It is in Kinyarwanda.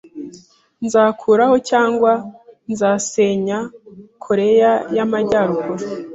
Nzakuraho cyangwa nzasenya Koreya y’Amajyaruguru